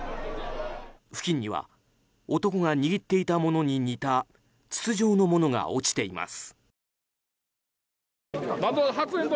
付近には男が握っていたものに似た筒状のものが落ちています。